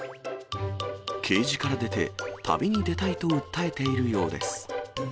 ケージから出て、旅に出たいと訴えているようです。